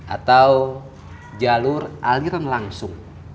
atau jalur aliran langsung